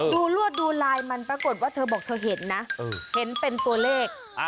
ดูรวดดูลายมันปรากฏว่าเธอบอกเธอเห็นนะเห็นเป็นตัวเลข